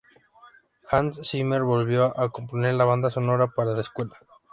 Hans Zimmer volvió a componer la banda sonora para la secuela.